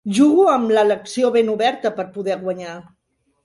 Jugo amb l'elecció ben oberta per poder guanyar.